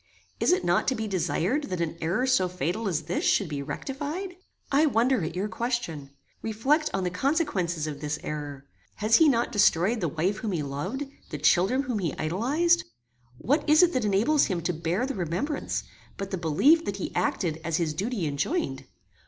"Is it not to be desired that an error so fatal as this should be rectified?" "I wonder at your question. Reflect on the consequences of this error. Has he not destroyed the wife whom he loved, the children whom he idolized? What is it that enables him to bear the remembrance, but the belief that he acted as his duty enjoined?